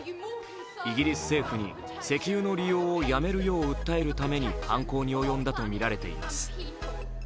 イギリス政府に製油の利用をやめるよう訴えるために犯行に及んだとみられています。